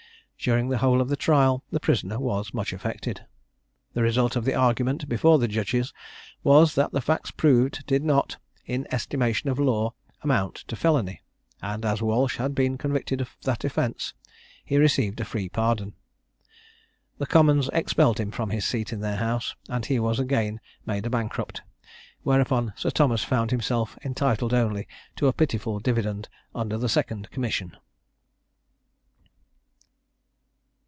During the whole of the trial the prisoner was much affected. The result of the argument before the judges was, that the facts proved did not, in estimation of law, amount to felony; and as Walsh had been convicted of that offence, he received a free pardon. The Commons expelled him from his seat in their house; and he was again made a bankrupt, whereupon Sir Thomas found himself entitled only to a pitiful dividend under the second commission.